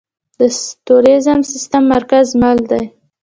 د ستوریز سیستم مرکز لمر دی